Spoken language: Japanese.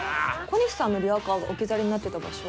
小西さんのリアカーが置き去りになってた場所。